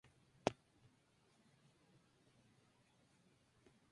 Los dos primeros parten el circo en dos mitades.